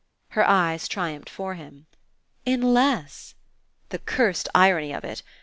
Her eyes triumphed for him. "In less!" "The cursed irony of it!